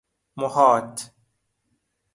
محاط